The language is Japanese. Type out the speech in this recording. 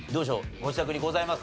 ご自宅にございますか？